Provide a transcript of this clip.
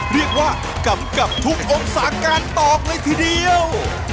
เรียกว่ากำกับทุกองศาการตอกเลยทีเดียว